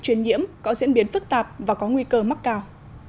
truyền nhiễm có diễn biến phức tạp và có nguy cơ mắc cao